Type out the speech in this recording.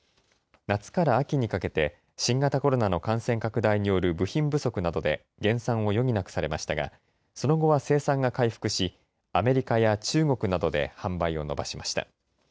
夏から秋にかけて新型コロナの感染拡大による部品不足などで減産を余儀なくされましたがその後は生産が回復しアメリカや中国などで販売を伸ばしました。